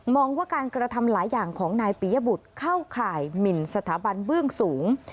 ว่าการกระทำหลายอย่างของนายปียบุตรเข้าข่ายหมินสถาบันเบื้องสูง